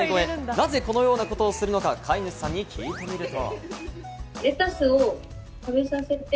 なぜこのようなことをするのか、飼い主さんに聞いてみると。